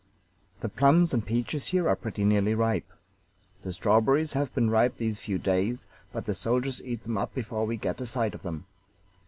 "The plums and peaches here are pretty nearly ripe. The strawberries have been ripe these few days, but the soldiers eat them up before we get a sight of them.